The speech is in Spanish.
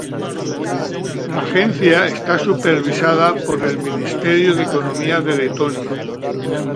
La agencia está supervisada por el Ministerio de Economía de Letonia.